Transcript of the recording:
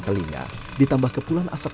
telinga ditambah kepulan asap